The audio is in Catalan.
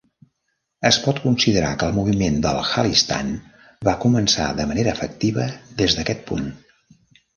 Es pot considerar que el moviment del Khalistan va començar de manera efectiva des d'aquest punt.